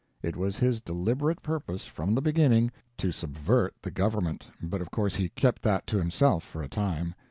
It was his deliberate purpose, from the beginning, to subvert the government, but of course he kept that to himself for a time.